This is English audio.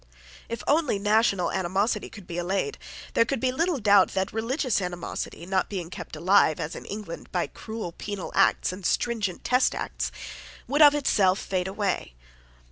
If only national animosity could be allayed, there could be little doubt that religious animosity, not being kept alive, as in England, by cruel penal acts and stringent test acts, would of itself fade away.